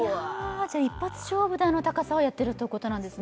一発勝負であの高さをやっているということなんですね？